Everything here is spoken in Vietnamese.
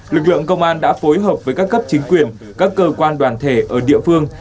lực lượng công an đã phối hợp với các cấp chính quyền các cơ quan đoàn thể ở địa phương